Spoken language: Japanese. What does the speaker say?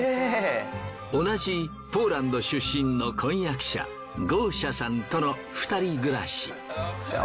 同じポーランド出身の婚約者ゴーシャさんとの２人暮らし。